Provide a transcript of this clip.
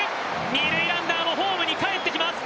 二塁ランナーもホームに帰ってきました。